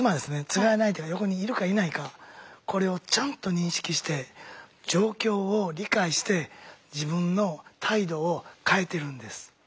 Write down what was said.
つがいの相手が横にいるかいないかこれをちゃんと認識して状況を理解して自分の態度を変えてるんです。